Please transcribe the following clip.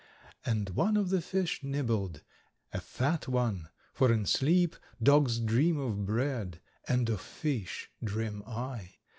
And one of the fish nibbled, a fat one, for in sleep dogs dream of bread, and of fish dream I.